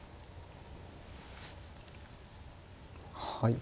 はい。